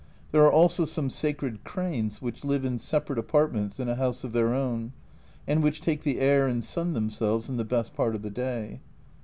There are also some sacred cranes which live in separate apartments in a house of their own, and which take the air and sun them selves in the best part of the day.